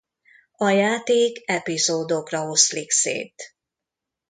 A játék epizódokra oszlik szét.